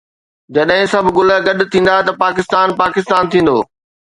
جڏهن سڀ گل گڏ ٿيندا ته پاڪستان پاڪستان ٿيندو